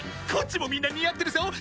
こっちもみんな似合ってるぞ！